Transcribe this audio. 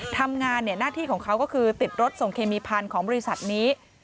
ทำงานหน้าที่ของเขาก็คือติดรถส่งเคมีพันธุ์ของบริษัทนี้